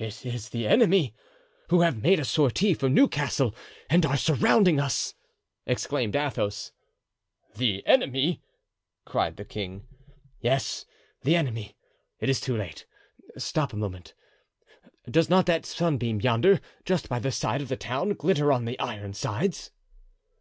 "It is the enemy, who have made a sortie from Newcastle and are surrounding us!" exclaimed Athos. "The enemy!" cried the king. "Yes, the enemy. It is too late. Stop a moment; does not that sunbeam yonder, just by the side of the town, glitter on the Ironsides?"